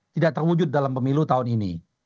tidak terwujud dalam pemilu tahun ini